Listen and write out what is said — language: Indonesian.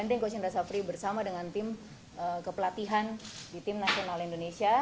dengkos indra safri bersama dengan tim kepelatihan di tim nasional indonesia